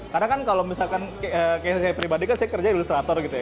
karena kan kalau misalkan kayak saya pribadi kan saya kerja ilustrator gitu ya